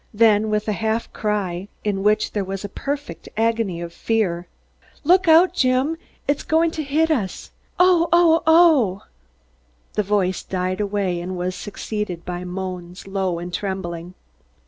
Then with a half cry, in which there was a perfect agony of fear "Look out, Jim! It's going to hit us! Oh oh oh " The voice died away and was succeeded by moans, low and trembling.